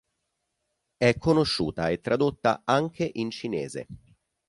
È conosciuta e tradotta anche in cinese.